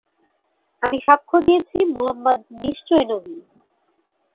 আমি সাক্ষ্য দিয়েছি, মুহাম্মাদ নিশ্চয়ই নবী।